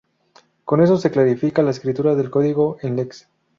Con esto se clarifica la escritura del código en lex.